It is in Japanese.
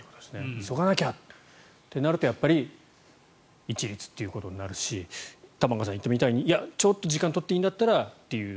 急がなきゃってなるとやっぱり一律となるし玉川さんが言ったみたいにちょっと時間を取っていいんだったらっていう。